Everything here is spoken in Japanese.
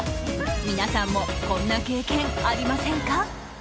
皆さんもこんな経験ありませんか？